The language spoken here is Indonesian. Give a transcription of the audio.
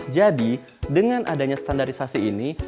jadi dengan adanya standarisasi ini